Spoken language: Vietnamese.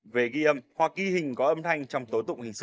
về ghi âm hoa ghi hình có âm thanh trong tố tụng hình sự